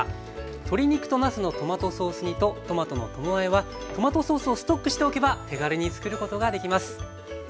鶏肉となすのトマトソース煮とトマトのともあえはトマトソースをストックしておけば手軽につくることができます。